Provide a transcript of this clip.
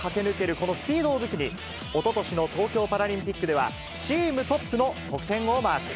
このスピードを武器に、おととしの東京パラリンピックでは、チームトップの得点をマーク。